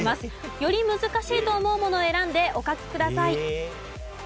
より難しいと思うものを選んでお書きください。